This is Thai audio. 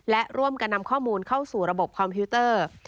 และร่วมกันนำข้อมูลเข้าสู่ระบบคอมพิวเตอร์